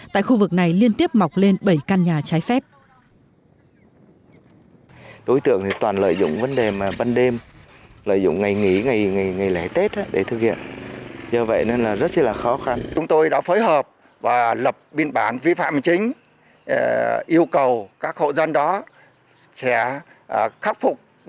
tại khu vực này liên tiếp mọc lên bảy căn nhà trái phép